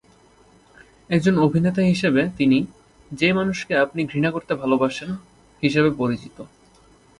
একজন অভিনেতা হিসেবে, তিনি "যে মানুষকে আপনি ঘৃণা করতে ভালবাসেন" হিসেবে পরিচিত।